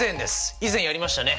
以前やりましたね。